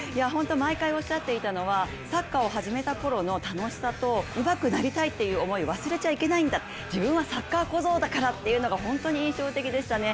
毎回おっしゃっていたのはサッカーを始めたころの楽しさと、うまくなりたいという気持ちを忘れちゃいけないんだ、自分はサッカー小僧だからっていうのが本当に印象的でしたね。